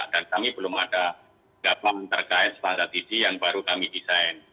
kami belum ada gapam terkait standar isi yang baru kami desain